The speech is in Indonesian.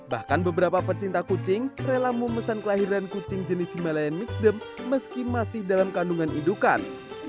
bahkan beberapa pecinta kucing rela memesan kelahiran kucing jenis himalayan mixed dem meski masih dalam kandungan hidupan